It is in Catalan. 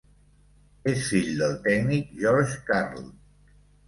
És fill del tècnic George Karl.